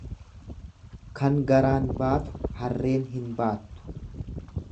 Kan garaan baatu harreen hin baattu.